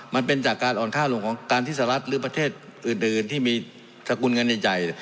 มันเป็นจากการอ่อนค่าลงของการที่สหรัฐหรือประเทศอื่นที่มีสกุลเงินใหญ่